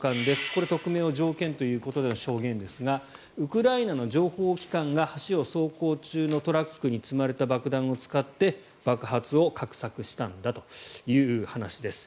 これ、匿名を条件でということでの証言ですがウクライナの情報機関が橋を走行中のトラックに積まれた爆弾を使って爆発を画策したんだという話です。